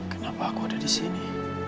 kenapa aku ada di sini